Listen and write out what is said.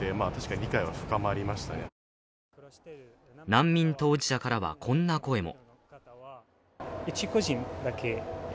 難民当事者からは、こんな声も。